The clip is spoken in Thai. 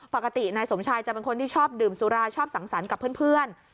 ปกตินายสมชายจะเป็นคนที่ชอบดื่มสุราชอบสังสรรค์กับเพื่อน